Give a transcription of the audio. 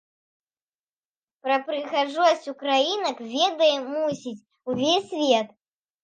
Пра прыгажосць украінак ведае, мусіць, увесь свет!